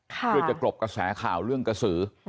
เพื่อจะกรบกระแสข่าวเรื่องกระสือ